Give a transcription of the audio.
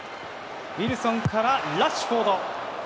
ウィルソンからラッシュフォード。